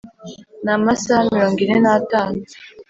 ni amasaha mirongo ine n’atanu